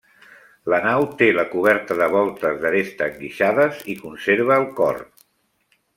La nau té la coberta de voltes d'aresta enguixades i conserva el cor.